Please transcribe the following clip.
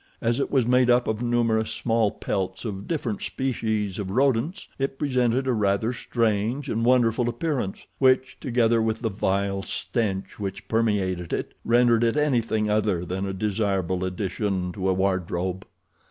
As it was made up of numerous small pelts of different species of rodents, it presented a rather strange and wonderful appearance, which, together with the vile stench which permeated it, rendered it anything other than a desirable addition to a wardrobe.